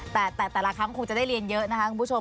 แต่แต่ละครั้งคงจะได้เรียนเยอะนะคะคุณผู้ชม